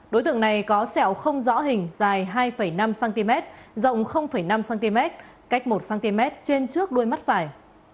đối tượng này có sẹo không rõ hình dài hai năm cm rộng năm cm cách một cm trên trước đuôi mắt phải